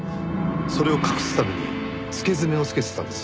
それを隠すためにつけ爪をつけてたんです。